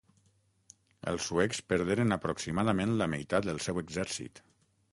Els suecs perderen aproximadament la meitat del seu exèrcit.